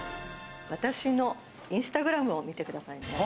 私のインスタグラムを見てください。